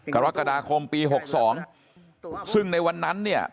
กรกฎาคมปี๖๒ซึ่งในวันนั้นเนี่ย